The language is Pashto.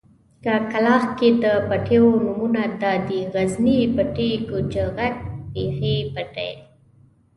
په کلاخ کې د پټيو نومونه دادي: غزني پټی، کچوغک، بېخۍ پټی.